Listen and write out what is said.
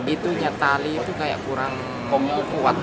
itu nya tali itu kayak kurang kuat